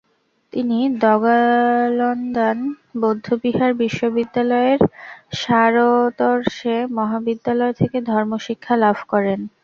তিনি দ্গা'-ল্দান বৌদ্ধবিহার বিশ্ববিদ্যালয়ের শার-র্ত্সে মহাবিদ্যালয় থেকে ধর্মশিক্ষা লাভ করেন।